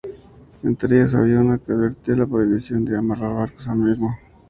Entre ellas había una que advertía de la prohibición de amarrar barcos al mismo.